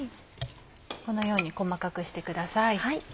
このように細かくしてください。